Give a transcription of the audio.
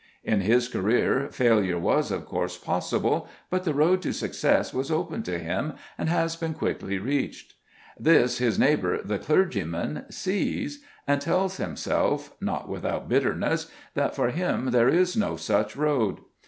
In his career, failure was, of course, possible, but the road to success was open to him, and has been quickly reached. This his neighbour, the clergyman, sees, and tells himself, not without bitterness, that for him there is no such road.